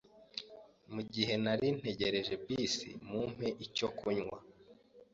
Mugihe nari ntegereje bisi mu mpe icyo kunywa